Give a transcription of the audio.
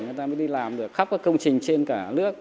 người ta mới đi làm được khắp các công trình trên cả nước